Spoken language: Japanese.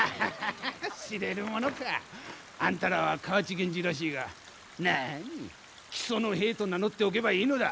あんたらは河内源氏らしいがなに木曽の兵と名乗っておけばいいのだ。